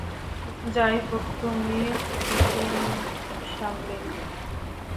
যাইহোক, তুমিই শুটিং সামলে নিও।